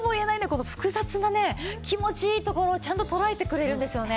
この複雑なね気持ちいいところをちゃんととらえてくれるんですよね。